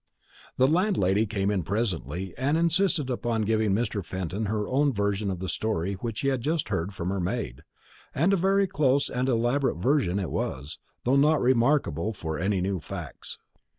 The landlady came in presently, and insisted upon giving Mr. Fenton her own version of the story which he had just heard from her maid; and a very close and elaborate version it was, though not remarkable for any new facts.